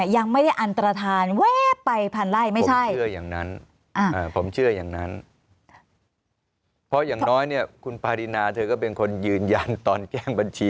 อ๋อยังไม่จำเป็นว่าต้องรู้หรือว่า